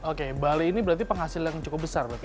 oke bali ini berarti penghasil yang cukup besar berarti ya